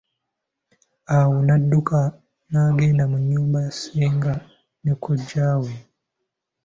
Awo nadduka n'agenda mu nyumba ya Senga ne Kojja we.